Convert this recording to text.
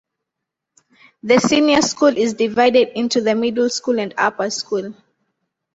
The Senior School is divided into the Middle School and Upper School.